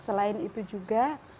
selain itu juga